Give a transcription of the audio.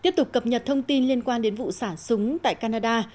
tiếp tục cập nhật thông tin liên quan đến vụ xả súng tại canada